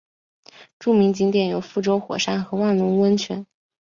著名景点有覆舟火山和万隆温泉。